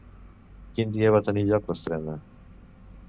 Quin dia va tenir lloc l'estrena?